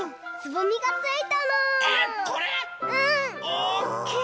おっきい！